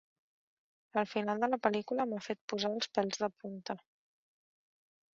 El final de la pel·lícula m'ha fet posar els pèls de punta.